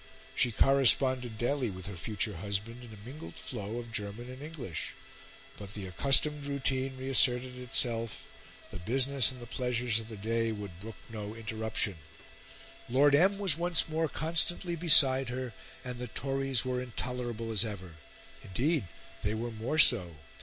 She corresponded daily with her future husband in a mingled flow of German and English; but the accustomed routine reasserted itself; the business and the pleasures of the day would brook no interruption; Lord M. was once more constantly beside her; and the Tories were as intolerable as ever. Indeed, they were more so.